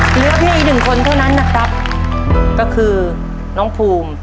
ตัวเลือกที่อีกหนึ่งคนเท่านั้นนะครับก็คือน้องพูม